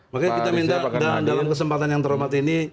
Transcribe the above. makanya kita minta dalam kesempatan yang terlalu mati ini